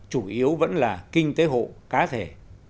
chủ yếu vẫn là kinh tế hộ cá thể